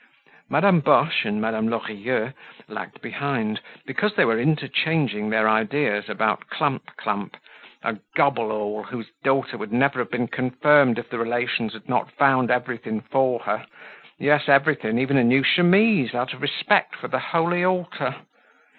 Madame Boche and Madame Lorilleux lagged behind, because they were interchanging their ideas about Clump clump, a gobble all, whose daughter would never have been confirmed if the relations had not found everything for her; yes, everything, even a new chemise, out of respect for the holy altar.